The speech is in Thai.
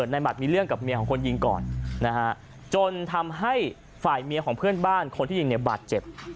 หมัดมีเรื่องกับเมียของคนยิงก่อนนะฮะจนทำให้ฝ่ายเมียของเพื่อนบ้านคนที่ยิงเนี่ยบาดเจ็บ